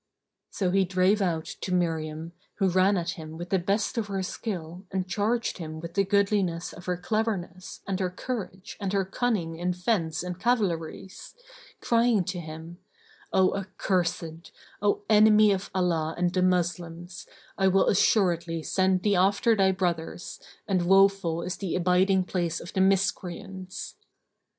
So he drave out to Miriam, who ran at him with the best of her skill and charged him with the goodliness of her cleverness and her courage and her cunning in fence and cavalarice, crying to him, "O accursed, O enemy of Allah and the Moslems, I will assuredly send thee after thy brothers and woeful is the abiding place of the Miscreants!"